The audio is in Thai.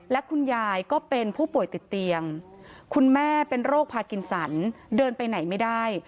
และคุณยายก็เป็นผู้ป่วยติดเตียงคุณแม่เป็นโรคพากินสันเดินไปไหนไม่ได้